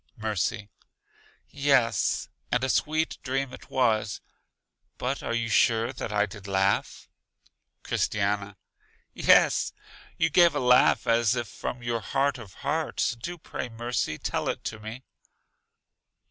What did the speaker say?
Mercy: Yes, and a sweet dream it was. But are you sure that I did laugh? Christiana: Yes, you gave a laugh as if from your heart of hearts. Do pray, Mercy, tell it to me.